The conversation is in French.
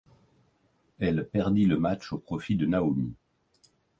Elle perdit le match au profit de Naomi.